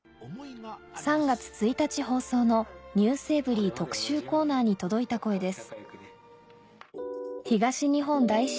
３月１日放送の『ｎｅｗｓｅｖｅｒｙ．』特集コーナーに届いた声です